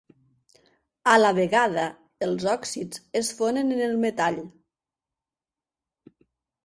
A la vegada, els òxids es fonen en el metall.